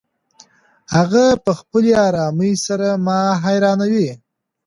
هغه په خپلې ارامۍ سره ما حیرانوي.